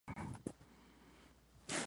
Kentaro Seki